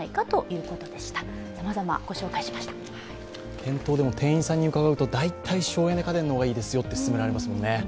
店頭でも店員さんに伺うと大体、省エネ家電の方がいいですよって勧められますよね。